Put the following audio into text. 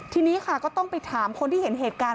ทีนี้ค่ะก็ต้องไปถามคนที่เห็นเหตุการณ์